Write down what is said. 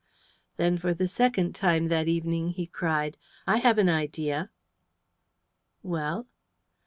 Then for the second time that evening he cried, "I have an idea." "Well?"